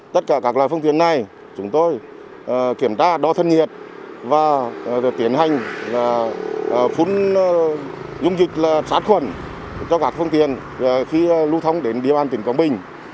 tất cả các loại phương tiện này chúng tôi kiểm tra đo thân nhiệt và tiến hành phun dung dịch sát khuẩn cho các phương tiện khi lưu thông đến địa bàn tỉnh quảng bình